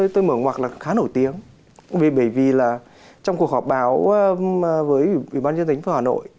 tôi mở ngoặc là khá nổi tiếng bởi vì là trong cuộc họp báo với ủy ban dân tính phố hà nội